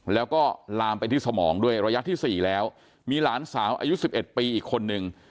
แล้วก็ลามไปที่สมองด้วยระยะที่๔แล้วมีหลานสาวอายุ๑๑ปีอีกคนนึง